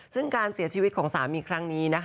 ซึ่งการเสียชีวิตที่สามีครั้งนี้